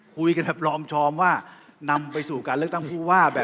คุยกันแบบรอมชอมว่านำไปสู่การเลือกตั้งผู้ว่าแบบ